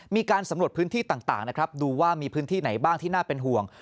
มีการสำรวจพื้นที่ต่างนะครับดูว่ามีพื้นที่ไหนบ้างที่น่าเป็นห่วง